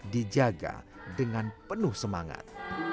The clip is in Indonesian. dijaga dengan penuh semangat